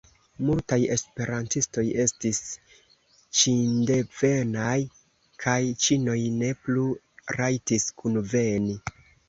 Multaj esperantistoj estis ĉindevenaj, kaj ĉinoj ne plu rajtis kunveni.